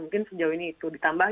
mungkin sejauh ini itu ditambah